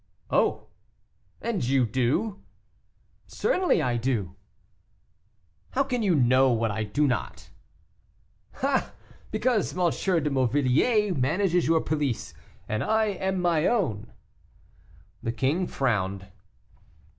"Oh! and you do?" "Certainly I do." "How can you know what I do not?" "Ah! because M. de Morvilliers manages your police, and I am my own." The king frowned.